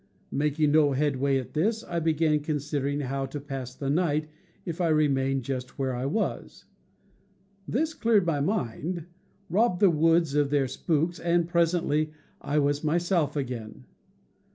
Making no headway at this, I began considering how to pass the night if I remained just where I was. This cleared my mind, robbed the woods of their spooks, and presently I was myself again.